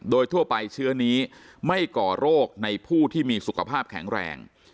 โดยทั่วไปเชื้อนี้ไม่ก่อโรคในผู้ที่มีสุขภาพแข็งแรง